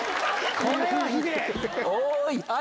これはひでぇ！